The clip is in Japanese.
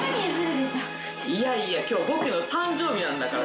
いやいや今日は僕の誕生日なんだからさ。